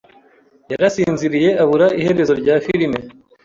yarasinziriye abura iherezo rya firime.